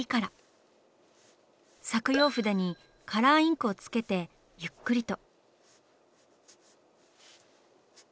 「削用筆」にカラーインクをつけてゆっくりと。